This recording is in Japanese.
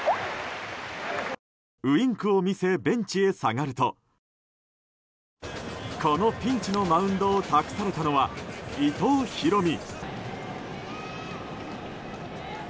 ウインクを見せベンチへ下がるとこのピンチのマウンドを託されたのは伊藤大海。